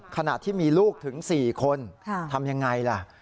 ขณะที่มีลูกถึง๔คนทำยังไงล่ะ